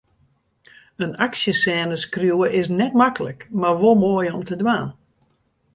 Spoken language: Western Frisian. In aksjesêne skriuwe is net maklik, mar wol moai om te dwaan.